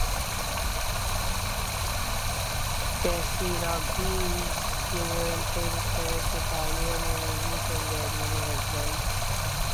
Casiraghi is fluent in French, Italian, English and German as well.